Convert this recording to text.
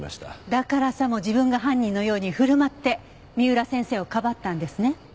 だからさも自分が犯人のように振る舞って三浦先生をかばったんですね。